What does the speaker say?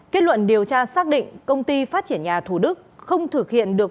kết luận điều tra xác định công ty phát triển nhà thủ đức không thực hiện được